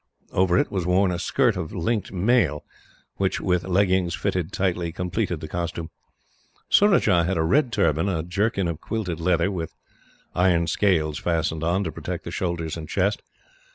Over it was worn a skirt of linked mail which, with leggings fitting tightly, completed the costume. Surajah had a red turban, a jerkin of quilted leather, with iron scales fastened on to protect the shoulders and chest.